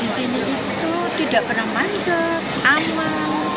di sini itu tidak pernah macet aman